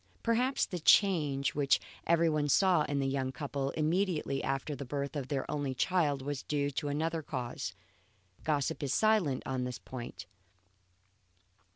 Perhaps the change which everyone saw in the young couple immediately after the birth of their only child was due to another cause. Gossip is silent on this point.